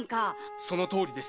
そのとおりです。